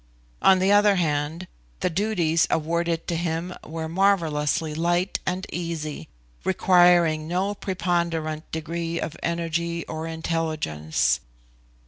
On the other hand, the duties awarded to him were marvellously light and easy, requiring no preponderant degree of energy or intelligence.